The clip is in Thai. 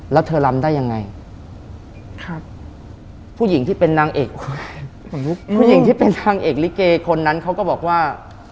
แล้วเธอลำได้อย่างไร